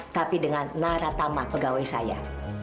tapi dengan naratama pegawai saya